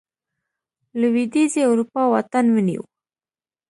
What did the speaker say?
لوېدیځې اروپا واټن ونیو.